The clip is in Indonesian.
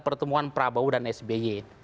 pertemuan prabowo dan sby